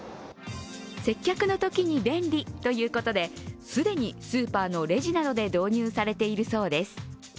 接客のときに便利ということで既にスーパーのレジなどで導入されているそうです。